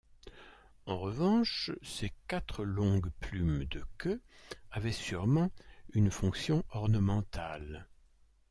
En revanche ses quatre longues plumes de queue avaient sûrement une fonction ornementale.